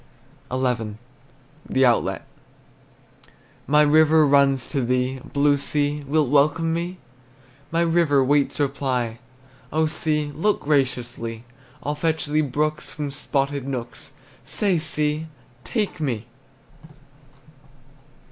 XI. THE OUTLET. My river runs to thee: Blue sea, wilt welcome me? My river waits reply. Oh sea, look graciously! I'll fetch thee brooks From spotted nooks, Say, sea, Take me!